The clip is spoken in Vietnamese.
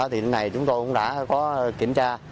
thì lúc này chúng tôi cũng đã có kiểm tra